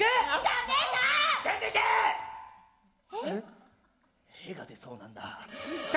えっ？へが出そうなんだ。